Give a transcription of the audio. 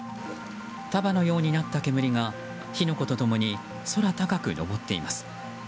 束のようになった煙が火の粉と共に空高く昇っています。